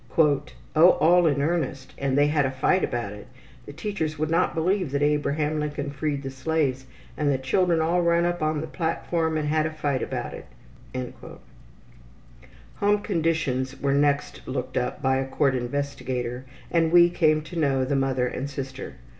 ``Oh, all in earnest and they had a fight about it. The teachers would not believe that Abraham Lincoln freed the slaves and the children all run up on the platform and had a fight about it.'' Home conditions were next looked up by a court investigator and we came to know the mother and sister.